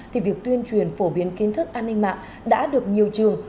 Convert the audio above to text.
thì việc tuyên truyền phổ biến kiến thức an ninh mạng đã được nhiều trường